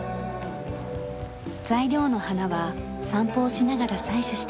材料の花は散歩をしながら採取してきます。